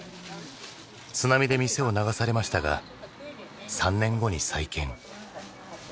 津波で店を流されましたが３年後に再建。